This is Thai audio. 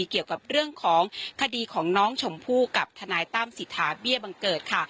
เกี่ยวกับเรื่องของคดีของน้องชมพู่กับทนายตั้มสิทธาเบี้ยบังเกิดค่ะ